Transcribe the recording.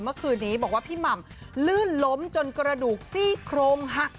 เมื่อคืนนี้บอกว่าพี่หม่ำลื่นล้มจนกระดูกซี่โครงหัก